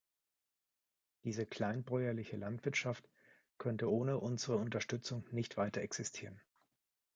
Diese kleinbäuerliche Landwirtschaft könnte ohne unsere Unterstützung nicht weiterexistieren.